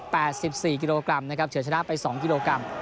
สิบสี่กิโลกรัมนะครับเฉินชนะไปสองกิโลกรัม